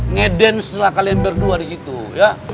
ngedance lah kalian berdua disitu ya